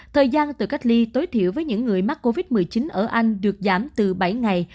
thời gian tự cách ly tối thiểu với những người mắc covid một mươi chín ở anh được giảm từ bảy ngày